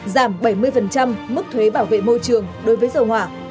giảm bảy mươi mức thuế bảo vệ môi trường đối với dầu hỏa